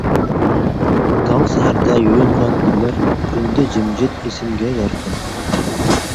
تاڭ سەھەردە يۇيۇنغان گۈللەر، ئۈندى جىمجىت ئېسىمگە يارقىن.